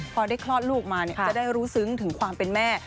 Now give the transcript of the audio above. พอได้คลอดลูกมาจะได้รู้ซึ้งถึงความเป็นแม่